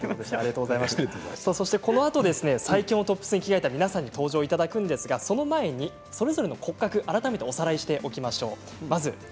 このあと最強のトップスに着替えた皆さんに登場していただくんですがその前にそれぞれの骨格を改めておさらいしていきましょう。